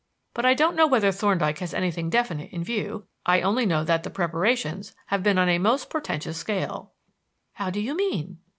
But I don't know whether Thorndyke has anything definite in view; I only know that the preparations have been on a most portentous scale." "How do you mean?"